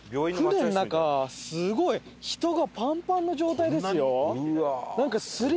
船の中すごい人がパンパンな状態ですよ。